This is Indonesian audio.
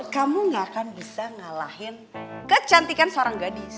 kamu gak akan bisa ngalahin kecantikan seorang gadis